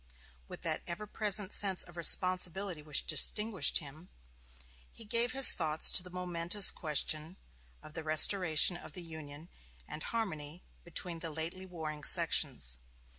With that ever present sense of responsibility which distinguished him, he gave his thoughts to the momentous question of the restoration of the Union and of harmony between the lately warring sections.